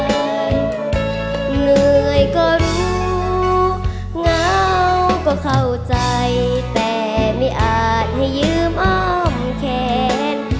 เหนื่อยก็รู้เหงาก็เข้าใจแต่ไม่อาจให้ยืมอ้อมแขน